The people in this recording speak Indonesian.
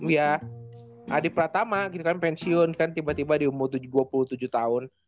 ya adi pratama gitu kan pensiun kan tiba tiba di umur dua puluh tujuh tahun